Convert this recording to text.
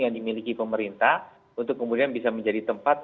yang dimiliki pemerintah untuk kemudian bisa menjadi tempat